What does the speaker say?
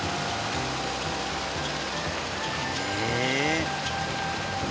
へえ！